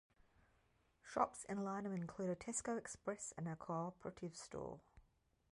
Shops in Lyneham include a Tesco Express and a Co-Operative store.